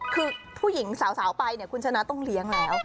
คือผู้หญิงสาวไปเนี่ยคุณชนะต้องเลี้ยงแล้ว